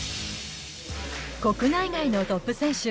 国内外のトップ選手